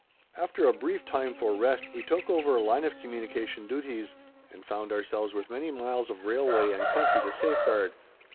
After a brief time for rest, we took over "Line of Communication" duties, and found ourselves with many miles of railway and country to safeguard.